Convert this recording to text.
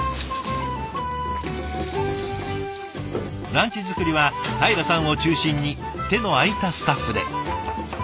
ランチ作りはたいらさんを中心に手の空いたスタッフで。